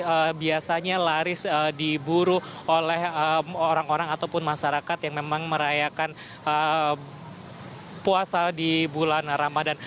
yang biasanya laris diburu oleh orang orang ataupun masyarakat yang memang merayakan puasa di bulan ramadan